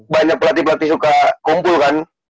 banyak pelatih pelatih suka kumpul kan